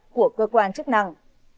của cơ quan chức năng